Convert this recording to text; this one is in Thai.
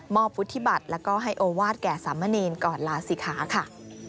มอบพุธธิบัติและให้โอวาสแก่สามเมรินก่อนลาศิฆาค่ะ